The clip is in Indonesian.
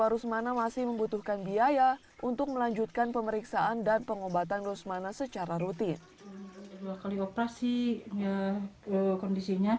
rusmana masih membutuhkan biaya untuk melanjutkan pemeriksaan dan pengobatan rusmana secara rutin